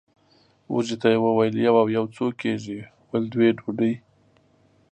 وږي ته یې وویل یو او یو څو کېږي ویل دوې ډوډۍ!